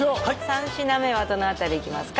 三品目はどの辺りいきますか？